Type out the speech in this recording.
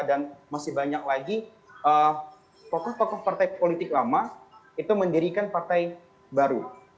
dan masih banyak lagi tokoh tokoh partai politik lama itu mendirikan partai baru